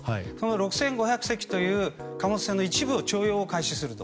６５００隻という貨物船の一部を徴用開始すると。